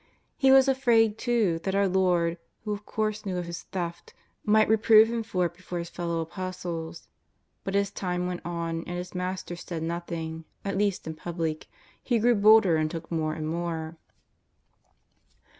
He was afraid, too, that our Lord, who of course knew of his theft, might re prove him for it before his fellow Apostles. But as time went on and his Master said nothing, at least in public, he grew bolder and took more and more.